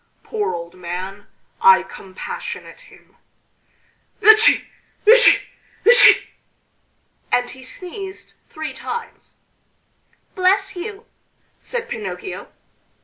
Poor old man! I compassionate him!... Etci! etci! etci!" and he sneezed three times. "Bless you!" said Pinocchio.